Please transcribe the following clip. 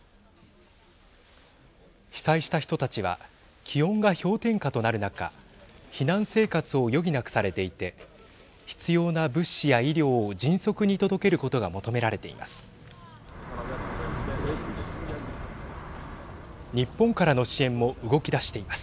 被災した人たちは気温が氷点下となる中避難生活を余儀なくされていて必要な物資や医療を迅速に届けることが求められています。